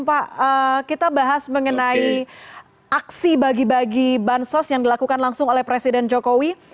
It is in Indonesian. pak kita bahas mengenai aksi bagi bagi bansos yang dilakukan langsung oleh presiden jokowi